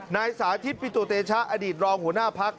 นายสาธิตปิตุเตชะอดีตรองหัวหน้าพัก